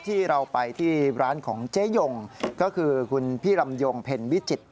ที่เราไปที่ร้านของเจ๊ยงก็คือคุณพี่รำยงเพ็ญวิจิตร